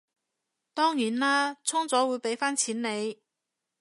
當然啦，充咗會畀返錢你